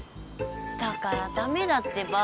だからダメだってば。